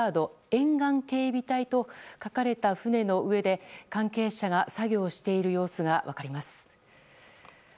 沿岸警備隊と書かれた船の上で関係者が作業している様子が分かります。